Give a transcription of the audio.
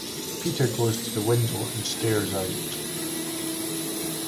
Peter goes to the window and stares out.